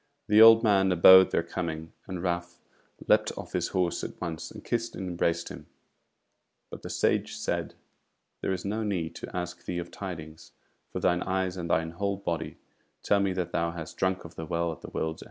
The old man abode their coming, and Ralph leapt off his horse at once, and kissed and embraced him; but the Sage said: "There is no need to ask thee of tidings; for thine eyes and thine whole body tell me that thou hast drunk of the Well at the World's End.